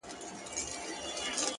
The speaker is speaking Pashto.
د خدای لاسونه ښکلوم ورته لاسونه نيسم _